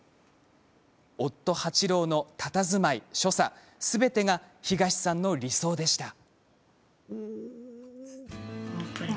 夫・八郎のたたずまい、所作すべてが東さんの理想でした。